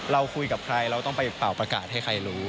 เราคุยกับใครเราต้องไปเป่าประกาศให้ใครรู้